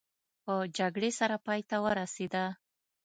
په جګړې سره پای ته ورسېده.